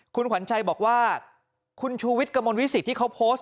คุณขวัญชัยบอกว่าคุณชูวิทย์กระมวลวิสิตที่เขาโพสต์